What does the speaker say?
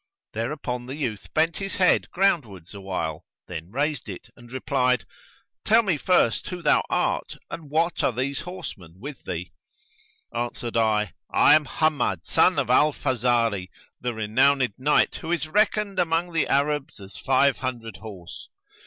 "[FN#119] Thereupon the youth bent his head groundwards awhile, then raised it and replied, "Tell me first who thou art and what are these horsemen with thee?" Answered I, "I am Hammad son of al Fazari, the renowned knight, who is reckoned among the Arabs as five hundred horse.